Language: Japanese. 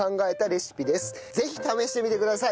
ぜひ試してみてください。